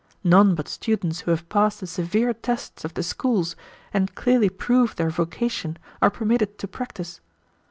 None but students who have passed the severe tests of the schools, and clearly proved their vocation, are permitted to practice.